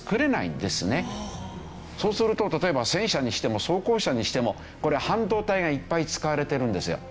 そうすると例えば戦車にしても装甲車にしてもこれ半導体がいっぱい使われてるんですよ。